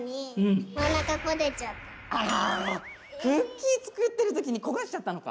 あクッキー作ってる時に焦がしちゃったのか。